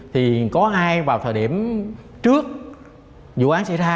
thì có ai vào thời điểm trước vụ án xảy ra